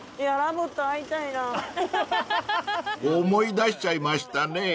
［思い出しちゃいましたね］